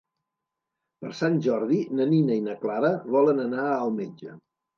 Per Sant Jordi na Nina i na Clara volen anar al metge.